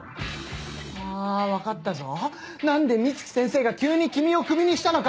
あ分かったぞ何で美月先生が急に君をクビにしたのか。